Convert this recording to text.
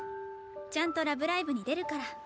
ちゃんと「ラブライブ！」に出るから。